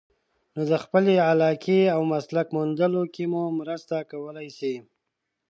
نو د خپلې علاقې او مسلک موندلو کې مو مرسته کولای شي.